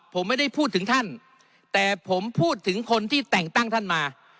ผมไม่ได้พูดถึงท่านแต่ผมพูดถึงคนที่แต่งตั้งท่านมา